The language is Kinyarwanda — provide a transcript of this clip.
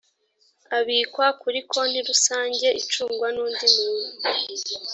abikwa kuri konti rusange icungwa n’ undi muntu